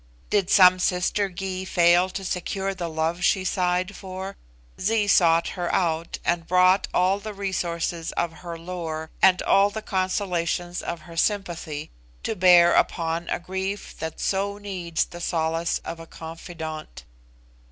Did some sister Gy fail to secure the love she sighed for? Zee sought her out, and brought all the resources of her lore, and all the consolations of her sympathy, to bear upon a grief that so needs the solace of a confidant.